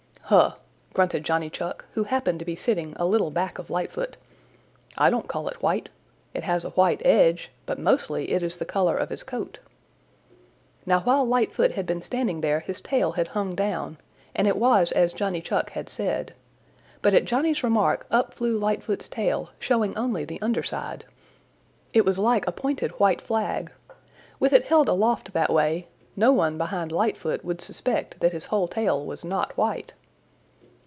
"Huh!" grunted Johnny Chuck who happened to be sitting a little back of Lightfoot, "I don't call it white. It has a white edge, but mostly it is the color of his coat." Now while Lightfoot had been standing there his tail had hung down, and it was as Johnny Chuck had said. But at Johnny's remark up flew Lightfoot's tail, showing only the under side. It was like a pointed white flag. With it held aloft that way, no one behind Lightfoot would suspect that his whole tail was not white.